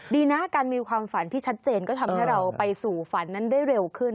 ดีนะการมีความฝันที่ชัดเจนก็ทำให้เราไปสู่ฝันนั้นได้เร็วขึ้น